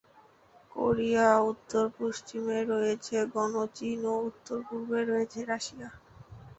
Korea উত্তর-পশ্চিমে রয়েছে গণচীন ও উত্তর-পূর্বে রয়েছে রাশিয়া।